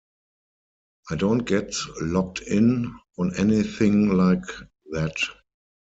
I don't get locked in on anything like that.